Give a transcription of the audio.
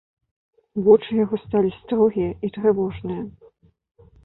Вочы яго сталі строгія і трывожныя.